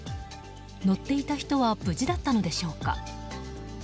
乗っていた人は無事だったのでしょうか。